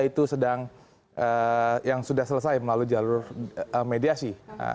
itu sedang yang sudah selesai melalui jalur mediasi